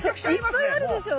そういっぱいあるでしょ！